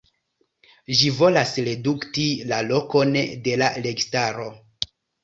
Ĝi volas redukti la lokon de la registaro.